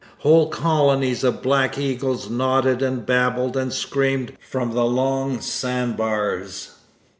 Whole colonies of black eagles nodded and babbled and screamed from the long sand bars.